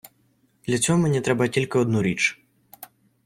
Для цього мені треба тільки одну річ.